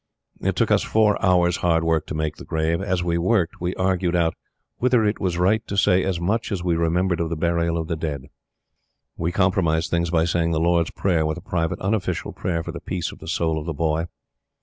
It took us four hours' hard work to make the grave. As we worked, we argued out whether it was right to say as much as we remembered of the Burial of the Dead. We compromised things by saying the Lord's Prayer with a private unofficial prayer for the peace of the soul of The Boy.